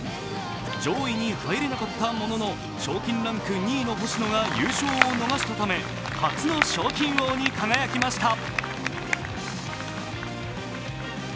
上位に入れなかったものの、賞金ランク２位の星野が優勝を逃したため、初の賞金王に輝きました。